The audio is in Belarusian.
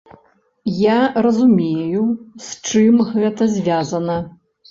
Я разумею, з чым гэта звязана.